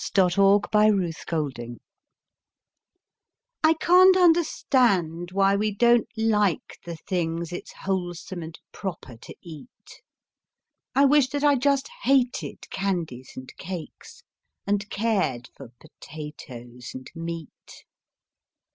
Edgar Fawcett A Sad Case I CAN'T understand why we don't like the things It's wholesome and proper to eat; I wish that I just hated candies and cakes, And cared for potatoes and meat.